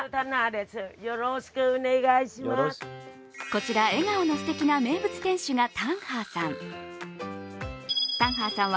こちら、笑顔のすてきな名物店主がタンハーさん。